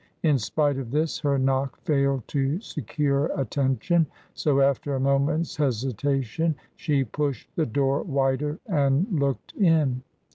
In spite of this her knock failed to secure attention, so, after a moment's hesitation, she pushed the door wider and looked in.